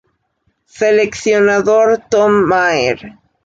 Seleccionador: Tom Maher.